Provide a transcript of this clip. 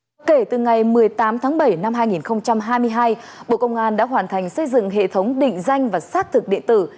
kể từ ngày một mươi tám tháng bảy năm hai nghìn hai mươi hai bộ công an đã hoàn thành xây dựng hệ thống định danh và xác thực điện tử